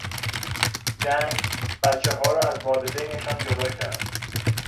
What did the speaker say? جنگ، بچهها را از والدینشان جدا کرد.